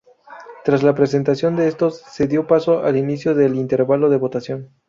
Tras la presentación de estos, se dio paso al inicio del intervalo de votación.